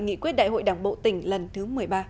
nghị quyết đại hội đảng bộ tỉnh lần thứ một mươi ba